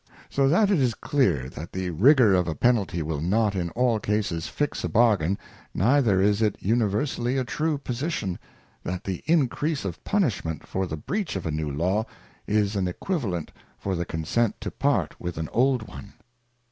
So that it is clear that the rigour of a Penalty will not in all cases fix a Bargain, neither is it Universally a true Position, that the increase of punishment for the breach of a new Law, is an Equivalent for the consent to part with an old one.